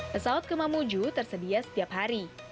pesawat ke mamuju tersedia setiap hari